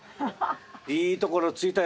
いいところ突いたよ。